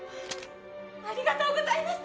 ありがとうございます！